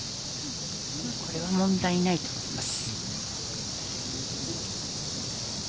これは問題ないと思います。